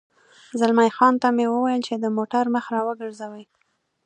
زلمی خان ته مې وویل چې د موټر مخ را وګرځوي.